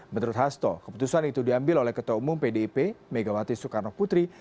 menurut hasto keputusan itu diambil oleh ketua umum pdip megawati soekarno putri